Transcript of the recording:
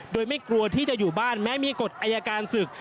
โดยไม่กลัวที่จะอยู่บ้านแม้มีกฎอายการศึก